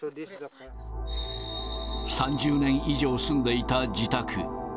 ３０年以上住んでいた自宅。